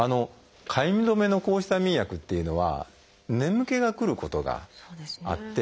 かゆみ止めの抗ヒスタミン薬っていうのは眠気がくることがあって。